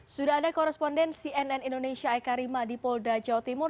sudah ada koresponden cnn indonesia eka rima di polda jawa timur